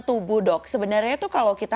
tubuh dok sebenarnya tuh kalau kita